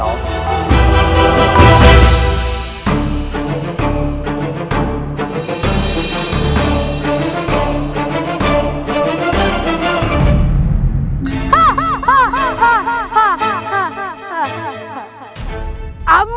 aku sangat mengenalmu di sana